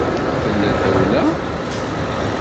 Tella tawla?